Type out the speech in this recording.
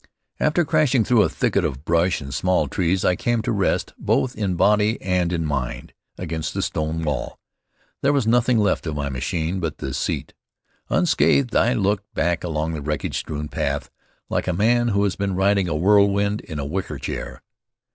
After crashing through a thicket of brush and small trees, I came to rest, both in body and in mind, against a stone wall. There was nothing left of my machine but the seat. Unscathed, I looked back along the wreckage strewn path, like a man who has been riding a whirlwind in a wicker chair.